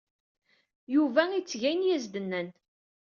Yuba itteg ayen ay as-d-nnan.